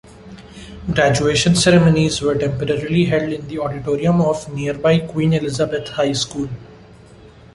Graduation ceremonies were temporarily held in the auditorium of nearby Queen Elizabeth High School.